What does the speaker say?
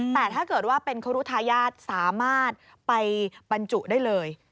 แต่ถ้าเกิดว่าเป็นครุทายาทสามารถไปบรรจุได้เลย